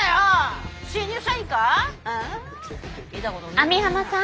網浜さん。